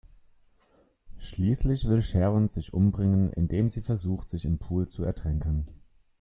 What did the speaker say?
Schließlich will Sharon sich umbringen, indem sie versucht, sich im Pool zu ertränken.